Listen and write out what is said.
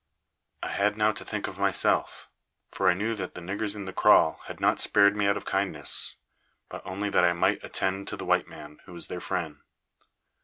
I had now to think of myself, for I knew that the niggers in the kraal had not spared me out of kindness, but only that I might attend to the white man, who was their friend.